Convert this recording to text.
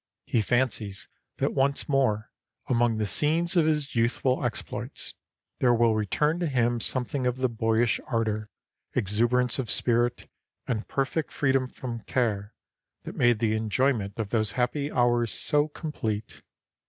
He fancies that once more among the scenes of his youthful exploits there will return to him something of the boyish ardor, exuberance of spirit and perfect freedom from care that made the enjoyment of those happy hours so complete.